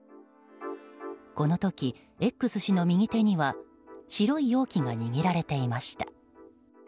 この時、Ｘ氏の右手には白い容器が握られていました。